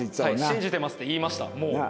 信じてますって言いましたもう。